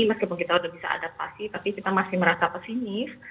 meskipun kita sudah bisa adaptasi tapi kita masih merasa pesimis